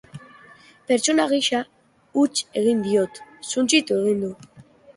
Pertsona gisa huts egin diot, suntsitu egin du.